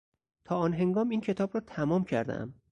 تا آن هنگام این کتاب را تمام کردهام.